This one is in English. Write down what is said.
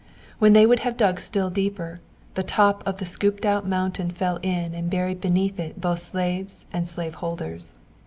When they would have dug still deeper, the top of the scooped out mountain fell in and buried beneath it both slaves and slave holders.